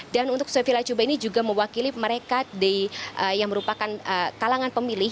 dan untuk sofie lachuba ini juga mewakili mereka yang merupakan kalangan pemilih